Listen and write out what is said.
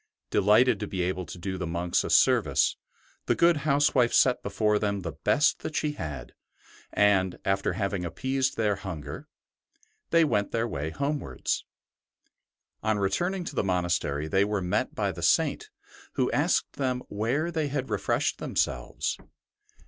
Delighted to be able to do the monks a service, the good housewife set before them the best that she had, and, after having appeased their hunger, they went their way homewards. On returning to the monastery they were met by the Saint, who asked them where they had refreshed themselves.